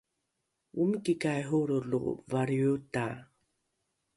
omikikai holrolo valriota?